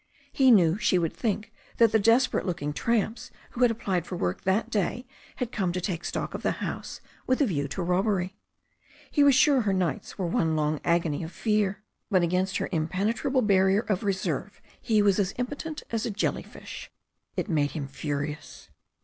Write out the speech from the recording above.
He knew she would think that the desperate looking tramps who had ap plied for work that day had come to take stock of the house with a view to robbery. He was sure her nights were one long agony of fear. But against her impenetrable barrier of reserve he was as impotent as a jellyfish. It made him furious.